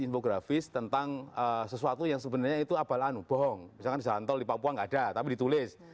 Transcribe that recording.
infografis tentang sesuatu yang sebenarnya itu abalanu bohong jantol di papua gak ada tapi ditulis